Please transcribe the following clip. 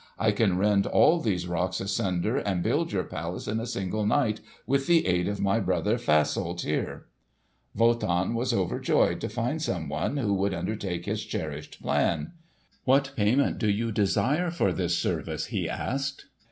"I can rend all these rocks asunder and build your palace in a single night, with the aid of my brother Fasolt, here." Wotan was overjoyed to find someone who would undertake his cherished plan. "What payment do you desire for this service?" he asked.